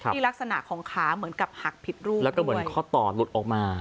ลักษณะของขาเหมือนกับหักผิดรูปแล้วก็เหมือนข้อต่อหลุดออกมา